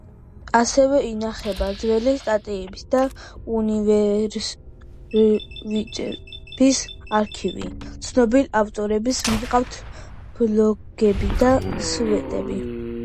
ასევე ინახება ძველი სტატიების და ინტერვიუების არქივი, ცნობილ ავტორებს მიჰყავთ ბლოგები და სვეტები.